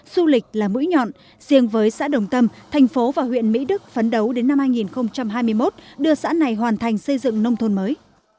du lịch là mũi nhọn riêng với xã đồng tâm thành phố và huyện mỹ đức phấn đấu đến năm hai nghìn hai mươi một đưa xã này hoàn thành xây dựng nông thôn mới